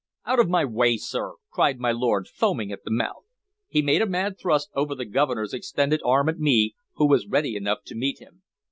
"Out of my way, sir!" cried my lord, foaming at the mouth. He made a mad thrust over the Governor's extended arm at me, who was ready enough to meet him.